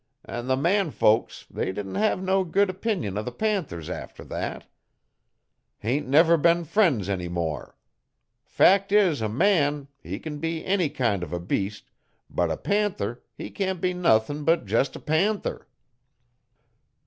An' the man folks they didn't hev no good 'pimon o' the panthers after thet. Haint never been frien's any more. Fact is a man, he can be any kind uv a beast, but a panther he can't be nuthin' but jest a panther.'